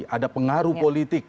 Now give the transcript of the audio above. ada pengaruh politik